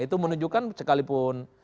itu menunjukkan sekalipun